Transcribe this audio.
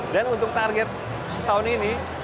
dan untuk target tahun ini